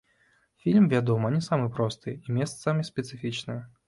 Фільм, вядома, не самы просты і месцамі спецыфічны.